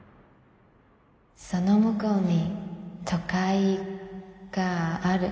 その向こうに都会がある。